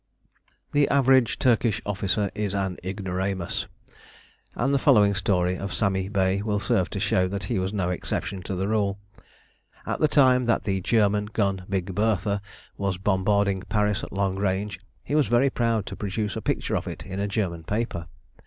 The average Turkish officer is an ignoramus, and the following story of Sami Bey will serve to show that he was no exception to the rule. At the time that the German gun "Big Bertha" was bombarding Paris at long range, he was very proud to produce a picture of it in a German paper.